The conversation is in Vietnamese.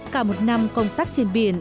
cả một năm công tác trên biển